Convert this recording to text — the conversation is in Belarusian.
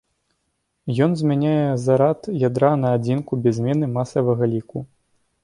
Ён змяняе зарад ядра на адзінку без змены масавага ліку.